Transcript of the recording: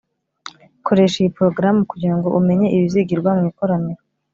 Koresha iyi porogaramu kugira ngo umenye ibizigirwa mu ikoraniro